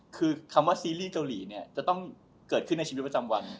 คือคำว่าซีรีส์เกาหลีเนี่ยจะต้องเกิดขึ้นในชีวิตประจำวัน